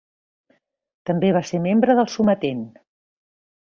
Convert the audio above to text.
També va ser membre del Sometent.